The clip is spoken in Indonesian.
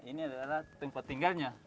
ini adalah tempat tinggalnya